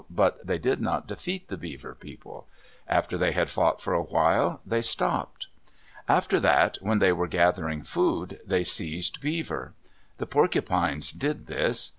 But they did not defeat the Beaver people. After they had fought for a while, they stopped. After that, when they were gathering food, they seized Beaver. The Porcupines did this.